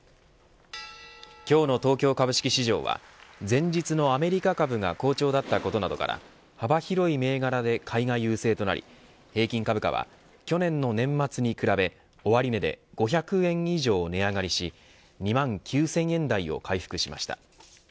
今日の東京株式市場は前日のアメリカ株が好調だったことなどから幅広い銘柄で買いが優勢となり平均株価は去年の年末に比べ終値で５００円以上値上がりし２万９０００円台を回復しました。